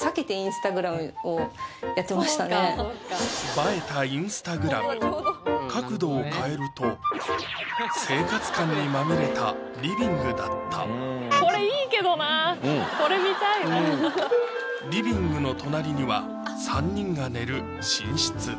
映えたインスタグラム生活感にまみれたリビングだったこれ見たいなリビングの隣には３人が寝る寝室